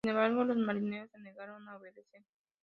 Sin embargo, los marineros se negaron a obedecer.